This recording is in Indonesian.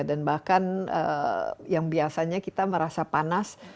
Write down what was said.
dan bahkan yang biasanya kita merasa panas